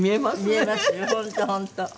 見えますよ本当本当。